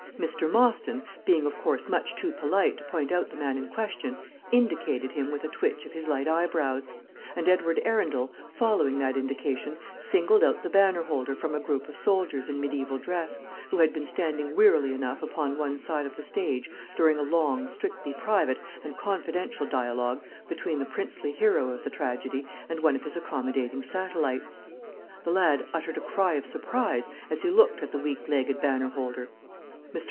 Mr. Mostyn, being of course much too polite to point out the man in question, indicated him with a twitch of his light eyebrows; and Edward Arundel, following that indication, singled out the banner holder from a group of soldiers in medieval dress, who had been standing wearily enough upon one side of the stage during a long, strictly private and confidential dialogue between the princely hero of the tragedy and one of his accommodating satellites. The lad uttered a cry of surprise as he looked at the weak legged banner holder. Mr.